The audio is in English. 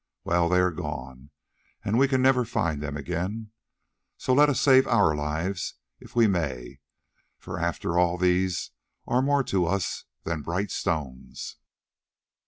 Well, they are gone and we can never find them again, so let us save our lives if we may, for after all these are more to us than bright stones.